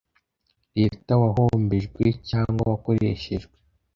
Leta wahombejwe cyangwa wakoreshejwe